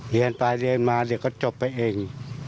เรียนไปเรียนมาเดี๋ยวก็จบไปเอง